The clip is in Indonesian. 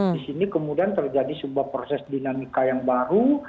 di sini kemudian terjadi sebuah proses dinamika yang baru